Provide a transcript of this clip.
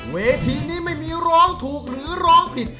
เวทีนี้ไม่มีร้องถูกหรือร้องผิด